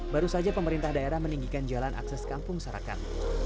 baru saja pemerintah daerah meninggikan jalan akses kampung sarakan